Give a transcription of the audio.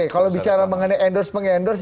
kalau bicara mengenai endorse mengendorse